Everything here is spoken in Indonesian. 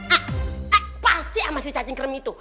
eh eh pasti ama si cacing krem itu